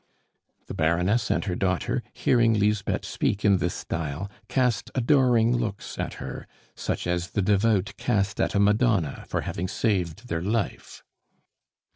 The Baroness and her daughter, hearing Lisbeth speak in this style, cast adoring looks at her, such as the devout cast at a Madonna for having saved their life.